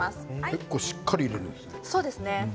結構しっかり入れるんですね。